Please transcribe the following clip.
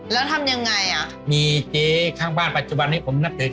แล้วทำยังไงอ่ะมีเจ๊ข้างบ้านปัจจุบันให้ผมนับถือ